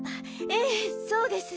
ええそうです。